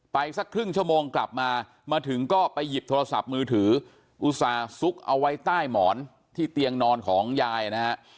สักครึ่งชั่วโมงกลับมามาถึงก็ไปหยิบโทรศัพท์มือถืออุตส่าห์ซุกเอาไว้ใต้หมอนที่เตียงนอนของยายนะฮะ